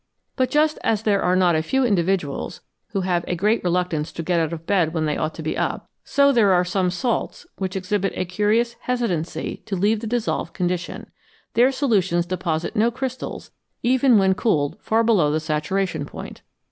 But just as there are not a few individuals who have a great reluctance to get out of bed when they ought to be up, so there are some salts which exhibit a curious hesitancy to leave the dissolved condition ; their solutions deposit no crystals even when cooled far below the saturation point.